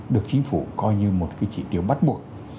được chính phủ coi như một cái chỉ tiêu bắt buộc